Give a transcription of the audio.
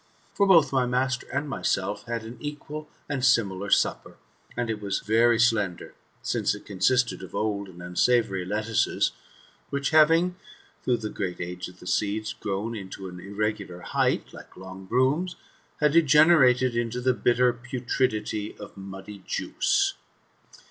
For both my master and myself had an equal and similar supper; but it was very slender, since it consisted of old and unsavoury lettuces, which having, through the great age of the seeds, grown into an irrqgular height, like long brooms, had degenerated into the bitter putridity of muddy juice.